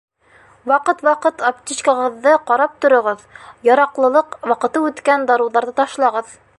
Ваҡыт-ваҡыт аптечкағыҙҙы ҡарап тороғоҙ, яраҡлылыҡ ваҡыты үткән дарыуҙарҙы ташлағыҙ!